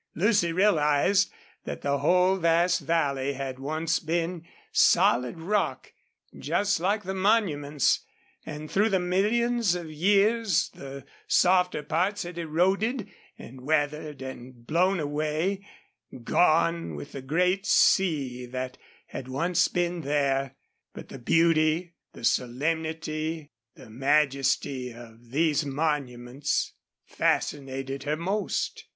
Lucy realized that the whole vast valley had once been solid rock, just like the monuments, and through the millions of years the softer parts had eroded and weathered and blown away gone with the great sea that had once been there. But the beauty, the solemnity, the majesty of these monuments fascinated her most.